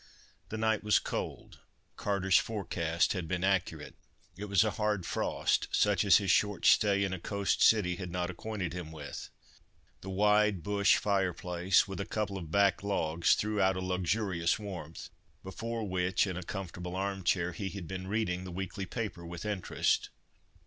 The night was cold—Carter's forecast had been accurate. It was a hard frost, such as his short stay in a coast city had not acquainted him with. The wide bush fire place, with a couple of back logs, threw out a luxurious warmth, before which, in a comfortable arm chair, he had been reading the weekly paper with interest.